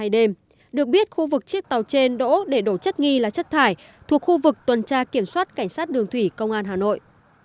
đêm được biết khu vực chiếc tàu trên đỗ để đổ chất nghi là chất thải thuộc khu vực tuần tra kiểm soát cảnh sát đường thủy công an hà nội